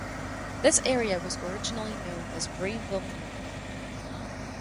This area was originally known as Brayville North.